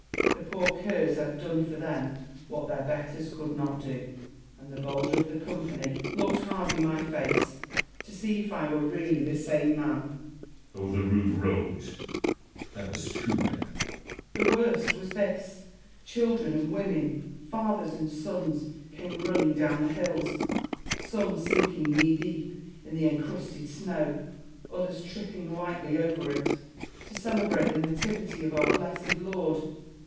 The poor curs had done for them what their betters could not do j and the bolder of the company looked hard in my face, to see if I were really the same man. Edward. O the rude rogues ! that was too bad. Wallace. The worst was this. Children and women, fathers and sons, came running down the hills — some sink ing knee deep in the encrusted snow, others tripping lightly over it — to celebrate the nativity of our blessed Lord.